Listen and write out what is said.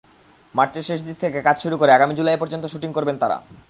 মার্চের শেষদিক থেকে কাজ শুরু করে আগামী জুলাই পর্যন্ত শুটিং করবেন তাঁরা।